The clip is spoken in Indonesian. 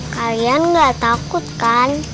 kalian gak takut kan